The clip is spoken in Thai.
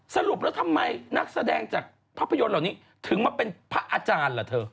สรุปแล้วทำไมนักแสดงจากภาพยนตร์เหล่านี้ถึงมาเป็นพระอาจารย์ล่ะเธอ